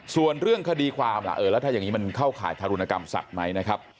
ส่วนเรื่องคดีความล่ะเออแล้วถ้าอย่างนี้มันเข้าข่ายทารุณกรรมสัตว์ไหมนะครับ